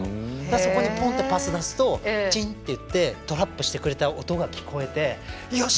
そこにポンとパスを出すとチンってトラップしてくれた音が聞こえてよし！